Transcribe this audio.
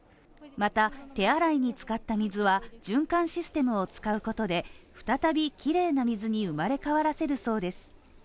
また、手洗いに使った水は循環システムを使うことで、再び綺麗な水に生まれ変わらせるそうです